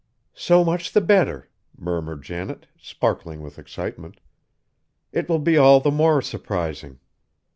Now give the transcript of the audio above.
"So much the better!" murmured Janet, sparkling with excitement. "It will be all the more surprising."